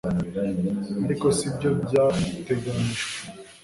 ariko sibyo byateganijwe